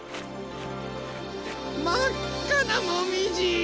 まっかなもみじ！